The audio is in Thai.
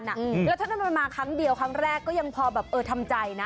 แล้วถ้านั้นมันมาครั้งเดียวครั้งแรกก็ยังพอแบบเออทำใจนะ